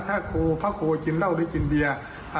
ถ้าครูกินเหล้าหรือกินเบียร์